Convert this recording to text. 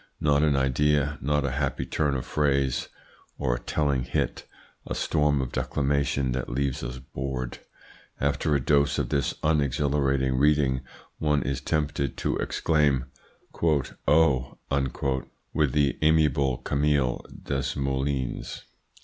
Not an idea, not a happy turn of phrase, or a telling hit: a storm of declamation that leaves us bored. After a dose of this unexhilarating reading one is attempted to exclaim `Oh!' with the amiable Camille Desmoulins."